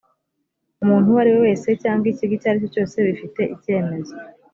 umuntu uwo ariwe wese cyangwa ikigo icyo aricyo cyose bifite icyemezo